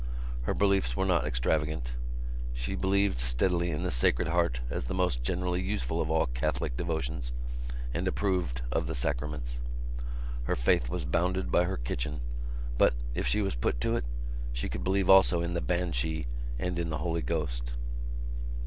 Her beliefs were not extravagant. She believed steadily in the Sacred Heart as the most generally useful of all Catholic devotions and approved of the sacraments. Her faith was bounded by her kitchen but, if she was put to it, she could believe also in the banshee and in the Holy Ghost.